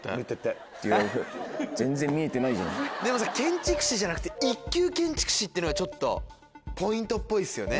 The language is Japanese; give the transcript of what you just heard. でもさ建築士じゃなくて一級建築士ってのがちょっとポイントっぽいっすよね。